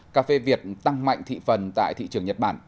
cà phê việt tăng mạnh thị phần tại thị trường nhật bản